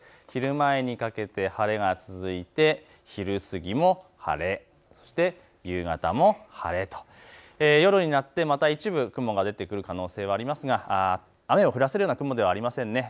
昼前にかけて晴れが続いて昼過ぎも晴れ、そして夕方も晴れと夜になってまた一部雲が出てくる可能性はありますが雨を降らせるような雲ではありません。